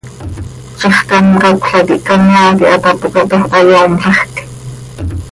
Zixcám cacöla quih canoaa quih hatapócatoj, hayoomlajc.